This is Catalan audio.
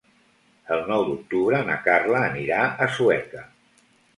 El nou d'octubre na Carla anirà a Sueca.